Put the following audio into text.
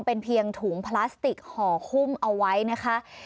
เป็นเพียงถุงพลาสติกห่อหุ้มเอาไว้นะคะ